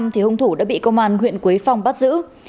thì hung thủ đã bị công an huyện quế phong bắt giữ